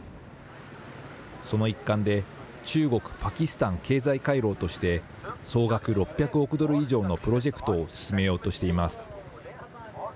その一環で、中国・パキスタン経済回廊として、総額６００億ドル以上のプロジェクトを進めようとしています。